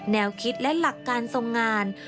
แนวคิดและหลักการทรงงาน